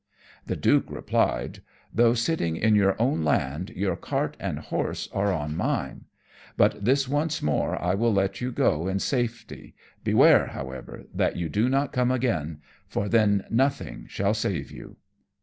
The Duke replied, "Though sitting in your own land, your cart and horse are on mine; but this once more I will let you go in safety; beware, however, that you do not come again, for then nothing shall save you."